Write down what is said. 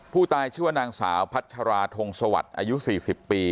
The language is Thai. ผู้ตายชื่อว่านางสาวพัชราธงสวัสดิ์อายุ๔๐ปี